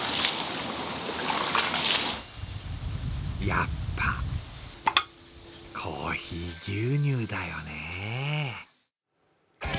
やっぱ、コーヒー牛乳だよね。